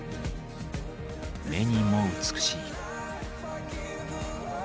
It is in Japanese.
目にも美しい。